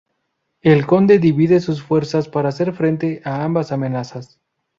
El conde divide sus fuerzas para hacer frente a ambas amenazas.